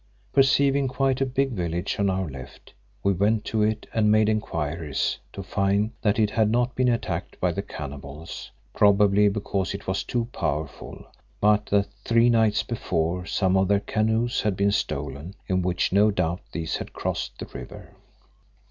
Perceiving quite a big village on our left, we went to it and made enquiries, to find that it had not been attacked by the cannibals, probably because it was too powerful, but that three nights before some of their canoes had been stolen, in which no doubt these had crossed the river.